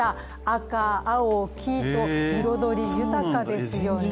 赤、青、黄と彩り豊かですよね。